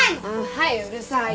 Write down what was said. はいうるさい。